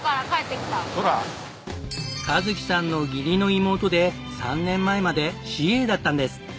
和希さんの義理の妹で３年前までＣＡだったんです。